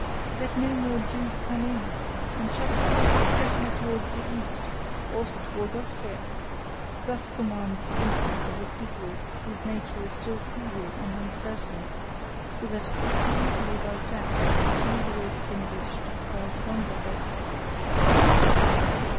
"Let no more Jews come in! And shut the doors, especially towards the East (also towards Austria)!" thus commands the instinct of a people whose nature is still feeble and uncertain, so that it could be easily wiped out, easily extinguished, by a stronger race.